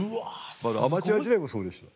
アマチュア時代もそうでした。